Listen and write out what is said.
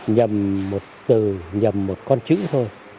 nhầm một từ nhầm một con chữ thôi